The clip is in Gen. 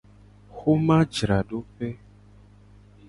Xomajradope.